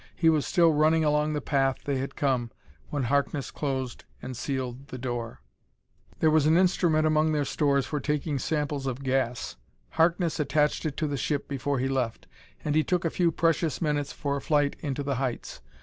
He was still running along the path they had come when Harkness closed and sealed the door. There was an instrument among their stores for taking samples of gas. Harkness attached it to the ship before he left, and he took a few precious minutes for a flight into the heights.